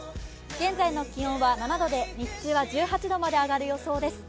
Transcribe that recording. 現在の気温は７度で、日中は１８度まで上がる予想です。